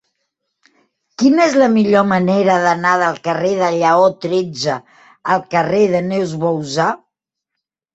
Quina és la millor manera d'anar del carrer de Lleó tretze al carrer de Neus Bouzá?